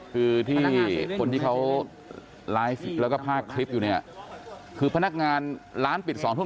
คือที่คนที่เขาไลฟ์แล้วก็ภาพคลิปอยู่เนี่ยคือพนักงานร้านปิด๒ทุ่ม